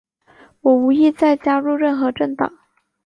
我无意再加入任何政党。